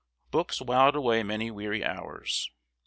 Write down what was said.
Books whiled away many weary hours.